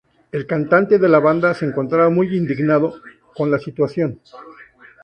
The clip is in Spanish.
El cantante de la banda se encontraba muy indignado con la situación.